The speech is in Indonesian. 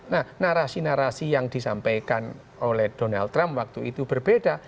nah narasi narasi yang disampaikan oleh donald trump waktu itu berbeda